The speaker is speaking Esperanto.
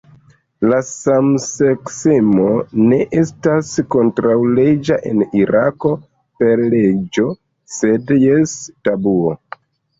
La samseksemo ne estas kontraŭleĝa en Irako per leĝo, sed jes tabuo.